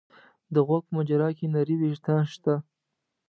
د غوږ په مجرا کې نري وېښتان شته.